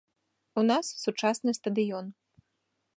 У нас сучасны стадыён.